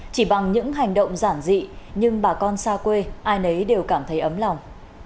chỉ bằng những hành động giản dị nhưng bà con xa quê ai nấy đều cảm thấy ấm lòng